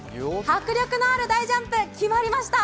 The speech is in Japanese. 迫力のある大ジャンプ、決まりました。